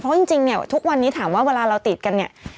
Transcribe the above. เพราะจริงเนี่ยทุกวันนี้ถามว่าเวลาเราติดกันเนี่ย